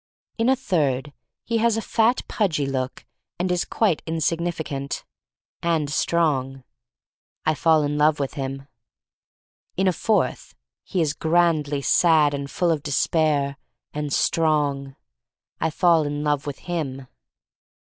In a third he has a fat, pudgy look, and is quite insignificant — and strong. I fall in love with him. In a fourth he is grandly sad and full of despair — and strong. I fall in love with him.